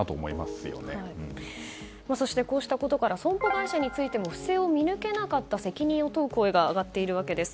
そして、こうしたことから損保会社についても不正を見抜けなかった責任を問う声が上がっているわけです。